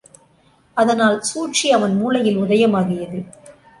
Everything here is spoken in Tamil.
அதனால் சூழ்ச்சி அவன் மூளையில் உதயமாகியது.